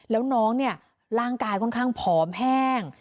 แล้วน้องเนี่ยร่างกายค่อนข้างผอมแห้ง